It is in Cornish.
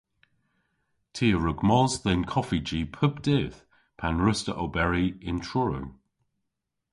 Ty a wrug mos dhe'n koffiji pub dydh pan wruss'ta oberi yn Truru.